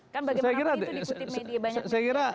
kan bagaimana itu diikuti media banyak media di acara